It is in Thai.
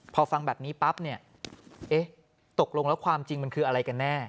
พอฟังแบบนี้ปั๊บเนี่ยเอ๊ะตกลงแล้วความจริงมันคืออะไรกันแน่